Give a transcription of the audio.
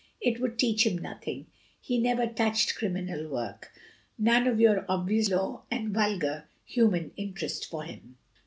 It would teach him nothing; he never touched criminal work; none of your obvious law and vulgar human interest for him.